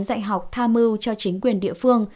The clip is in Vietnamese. dạy học tha mưu cho chính quyền địa phương